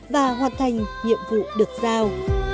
và hoàn thành nhiệm vụ được giao